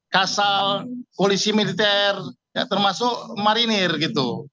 kasal polisi militer termasuk marinir gitu